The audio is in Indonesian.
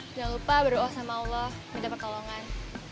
jangan lupa berdoa sama allah minta pertolongan